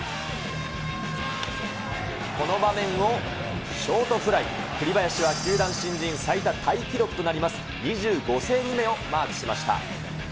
この場面を、ショートフライ、栗林は球団新人最多タイ記録となります、２５セーブ目をマークしました。